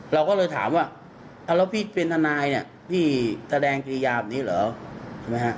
เราก็เลยถามว่าเอาแล้วพี่เป็นทนายเนี่ยพี่แสดงกิริยาแบบนี้เหรอใช่ไหมฮะ